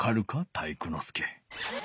体育ノ介。